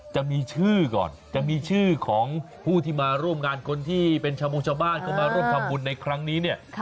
จะมีชื่อก่อนจะมีชื่อของผู้ที่มาร่วมงานคนที่เป็นชาวมงชาวบ้านเข้ามาร่วมทำบุญในครั้งนี้เนี่ย